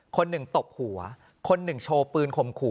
คนหนึ่งตบหัวคนหนึ่งโชว์ปืนข่มขู่